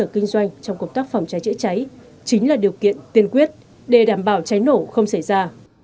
kinh doanh trong công tác phòng cháy chữa cháy chính là điều kiện tiên quyết để đảm bảo cháy nổ không xảy ra